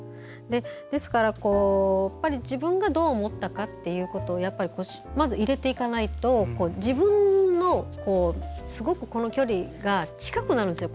ですから自分がどう思ったかということをまず入れていかないと自分との距離が近くなるんですよ。